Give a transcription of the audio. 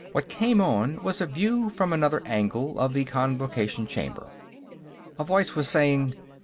What came on was a view, from another angle, of the Convocation Chamber. A voice was saying